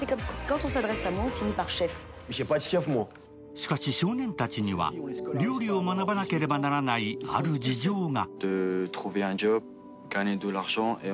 しかし少年たちには料理を学ばなければならないある事情が。